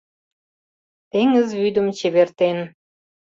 Теҥыз вӱдым чевертен.